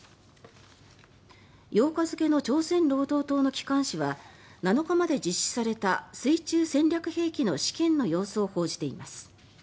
８日付の朝鮮労働党の機関紙は７日まで実施された水中戦略兵器の試験の様子を報じています。